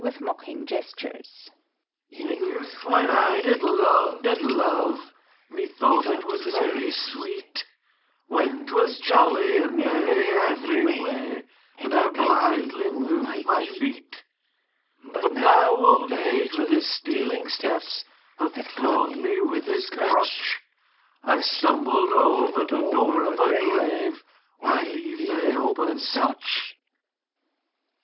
In youth when I did love, did love, Methought it was very sweet ; When 't was jolly and merry every way, And I blithely moved my feet. But now old Age, with his stealing steps, Hath clawed me with his crutch: I stumbled over the door of a grave ; Why leave they open such?